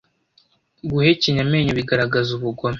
guhekenya amenyo bigaragaza ubugome